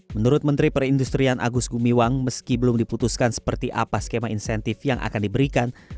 menurut menteri perindustrian agus gumiwang meski belum diputuskan seperti apa skema insentif yang akan diberikan